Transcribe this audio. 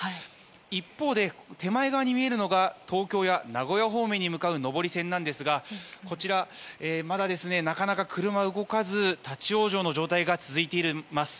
一方で、手前側に見えるのが東京や名古屋方面に向かう上り線ですがこちら、まだなかなか車は動かず立ち往生の状態が続いています。